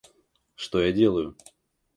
Что я делаю?